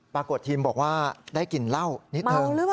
ปรากฏทีมบอกว่าได้กลิ่นเหล้านิดนึง